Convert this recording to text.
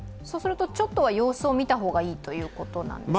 ちょっとは様子を見た方がいいということですか？